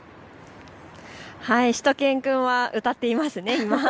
しゅと犬くん、歌ってますね、今。